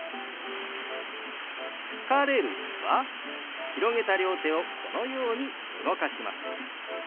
「疲れる」は広げた両手をこのように動かします。